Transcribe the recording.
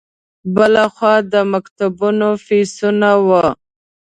بل خوا د مکتبونو فیسونه وو.